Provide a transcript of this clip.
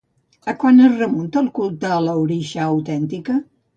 A quan es remunta el culte a l'Orixa autèntica?